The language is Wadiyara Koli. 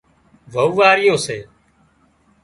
وئوئاريون سي